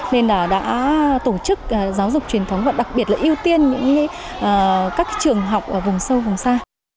nên đã tổ chức giáo dục truyền thống và đặc biệt là ưu tiên những các trường học ở vùng sâu vùng xa